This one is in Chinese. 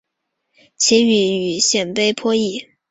其语与鲜卑颇异。